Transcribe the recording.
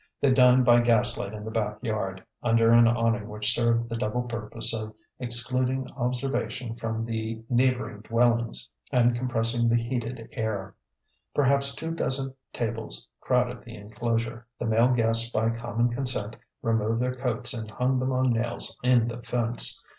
They dined by gas light in the back yard, under an awning which served the double purpose of excluding observation from the neighbouring dwellings and compressing the heated air. Perhaps two dozen tables crowded the enclosure. The male guests by common consent removed their coats and hung them on nails in the fence.